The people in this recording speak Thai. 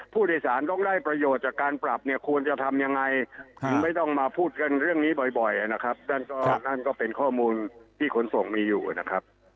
ผู้โดยสารต้องได้ประโยชน์จากการปรับเนี่ยควรจะทำยังไงถึงไม่ต้องมาพูดกันเรื่องนี้บ่อยนะครับนั่นก็นั่นก็เป็นข้อมูลที่ขนส่งมีอยู่นะครับ